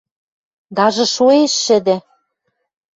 Даже шоэш шӹдӹ!